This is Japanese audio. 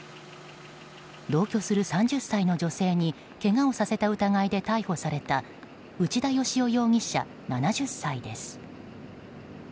同居する３０歳の女性にけがをさせた疑いで逮捕された内田芳夫容疑者、７０歳です。